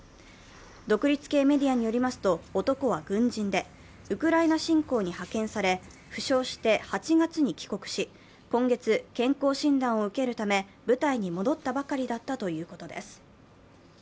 独立系メディアによりますと、男は軍人でウクライナ侵攻に派遣され、負傷して、８月に帰国し、今月、健康診断を受けるため部隊に戻ったばかりだったということです。